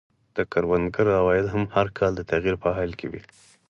د کروندګرو عواید هم هر کال د تغییر په حال کې وو.